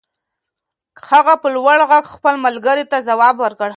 هغه په لوړ غږ خپل ملګري ته ځواب ور کړ.